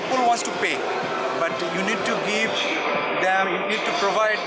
orang orang ingin membeli tapi kita harus memberi mereka bus asal yang diperlukan